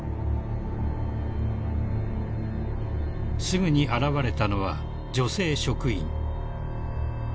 ［すぐに現れたのは女性職員］